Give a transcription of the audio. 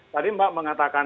tadi mbak mengatakan